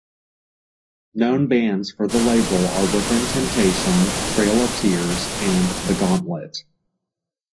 Known bands for the label are Within Temptation, Trail Of Tears and The Gauntlet.